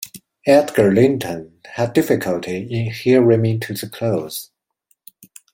Edgar Linton had difficulty in hearing me to the close.